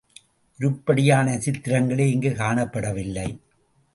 உருப்படியான சித்திரங்களே இங்கு காணப்படவில்லை.